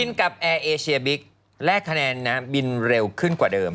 กับแอร์เอเชียบิ๊กแลกคะแนนนะบินเร็วขึ้นกว่าเดิม